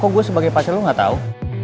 kok gue sebagai pacar lo gak tau